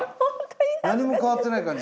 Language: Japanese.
何も変わってない感じ？